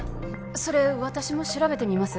それ私も調べてみます